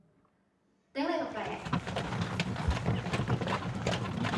頂你個肺呀！